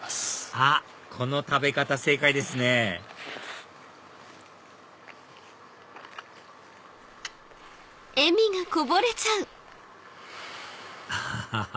あっこの食べ方正解ですねアハハ！